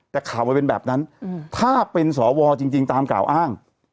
แต่ข่าวมันเป็นแบบนั้นถ้าเป็นสวจริงตามกล่าวอ้าง